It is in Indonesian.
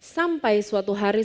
sampai suatu hari